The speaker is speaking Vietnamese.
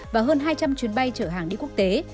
và hơn hai trăm linh chuyến bay chở hàng đi quốc tế